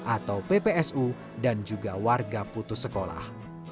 atau ppsu dan juga warga putus sekolah